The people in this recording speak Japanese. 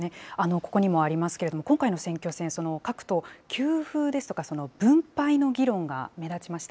ここにもありますけれども、今回の選挙戦、各党、給付ですとか、分配の議論が目立ちました。